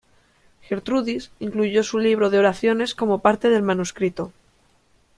Gertrudis incluyó su libro de oraciones como parte del manuscrito.